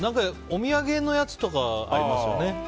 お土産のやつとかありますよね。